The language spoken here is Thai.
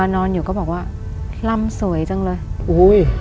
นอนอยู่ก็บอกว่าลำสวยจังเลยอุ้ย